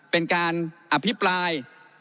เป็นการอภิปราย